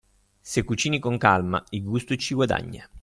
Se cucini con calma, il gusto ci guadagna.